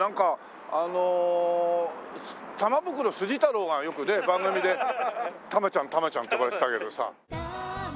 あの玉袋筋太郎がよくね番組で玉ちゃん玉ちゃんって呼ばれてたけどさ。